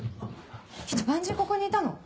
ひと晩中ここにいたの？